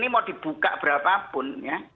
tapi kalau kita buka berapapun ya